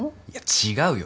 違うよ！